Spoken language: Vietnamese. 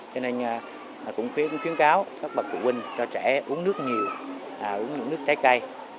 cho nên cũng khuyến cáo các bà phụ huynh cho trẻ uống nước nhiều uống những nước trái cây